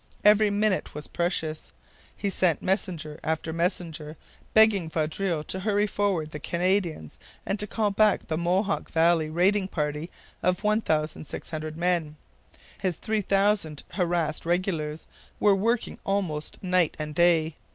Every minute was precious. He sent messenger after messenger, begging Vaudreuil to hurry forward the Canadians and to call back the Mohawk valley raiding party of 1,600 men. His 3,000 harassed regulars were working almost night and day.